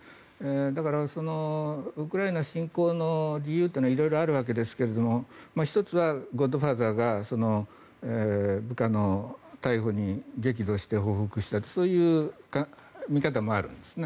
だからウクライナ侵攻の理由というのは色々あるわけですが１つはゴッドファーザーが部下の逮捕に激怒して報復したとそういう見方もあるんですね。